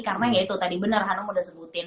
karena ya itu tadi bener hanum udah sebutin